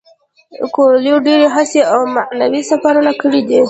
کویلیو ډیرې هڅې او معنوي سفرونه کړي دي.